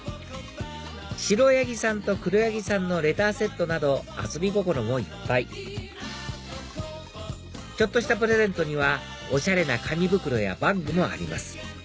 白ヤギさんと黒ヤギさんのレターセットなど遊び心もいっぱいちょっとしたプレゼントにはおしゃれな紙袋やバッグもあります